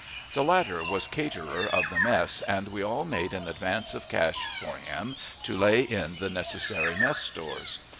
The latter was caterer of the mess, and we all made an advance of cash for him to lay in the necessary mess stores.